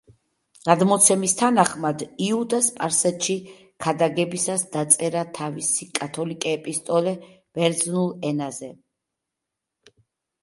გადმოცემის თანახმად, იუდა სპარსეთში ქადაგებისას დაწერა თავისი კათოლიკე ეპისტოლე ბერძნულ ენაზე.